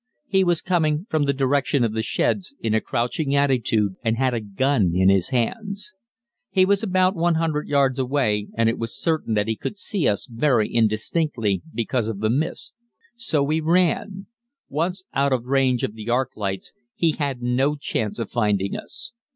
He was coming from the direction of the sheds, in a crouching attitude, and had a gun in his hands. He was about 100 yards away and it was certain that he could see us very indistinctly, because of the mist. So we ran. Once out of range of the arc lights he had no chance of finding us.